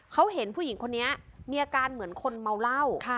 เขาเห็นผู้หญิงคนนี้มีอาการเหมือนคนเมาเหล้า